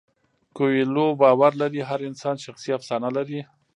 کویلیو باور لري هر انسان شخصي افسانه لري.